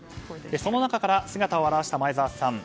その中から姿を現した前澤さん。